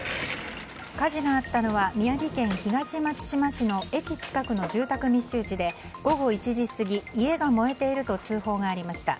火事があったのは宮城県東松島市の駅近くの住宅密集地で午後１時過ぎ、家が燃えていると通報がありました。